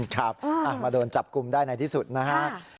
ครับมาโดนจับกลุ่มได้ในที่สุดนะครับ